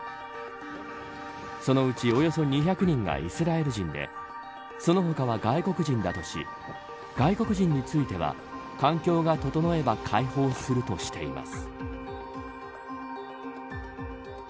そのうちおよそ２００人がイスラエル人でその他は外国人だとし外国人については、環境が整えば解放するとしています。